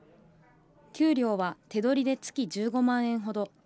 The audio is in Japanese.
給料は手取りで月１５万円ほど。